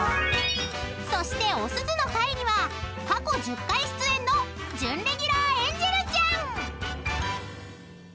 ［そしておすずの回には過去１０回出演の準レギュラーエンジェルちゃん！］